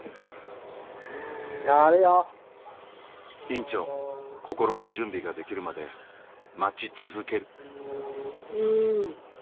院長心の準備ができるまで待ち続けるう。